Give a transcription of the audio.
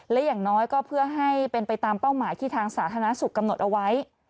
และอย่างน้อยก็เพื่อให้เป็นไปตามเป้าหมายที่ทางสาธารณสุขกำหนดเอาไว้